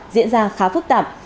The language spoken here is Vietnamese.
diễn ra khá phức tạp